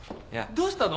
どうしたの？